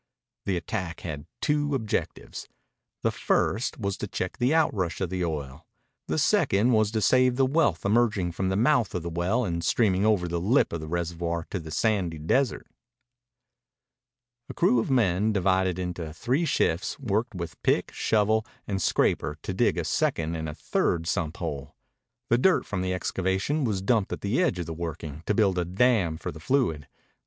The attack had two objectives. The first was to check the outrush of oil. The second was to save the wealth emerging from the mouth of the well and streaming over the lip of the reservoir to the sandy desert. A crew of men, divided into three shifts, worked with pick, shovel, and scraper to dig a second and a third sump hole. The dirt from the excavation was dumped at the edge of the working to build a dam for the fluid.